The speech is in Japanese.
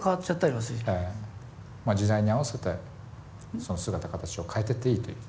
まあ時代に合わせてその姿形を変えてっていいという。